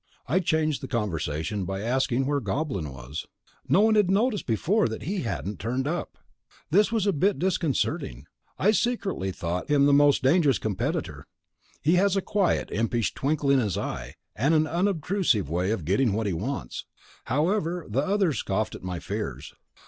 I changed the conversation by asking where the Goblin was. No one had noticed before that he hadn't turned up. This was a bit disconcerting. I secretly thought him the most dangerous competitor. He has a quiet, impish twinkle in his eye, and an unobtrusive way of getting what he wants. However, the others scoffed at my fears.